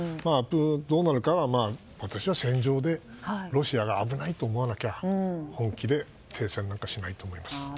どうなるかは、私は戦場でロシアが危ないと思わなきゃ本気で停戦なんかしないと思います。